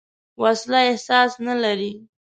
وسله احساس نه لري